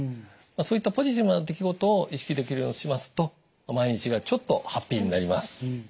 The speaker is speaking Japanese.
そういったポジティブな出来事を意識できるようにしますと毎日がちょっとハッピーになります。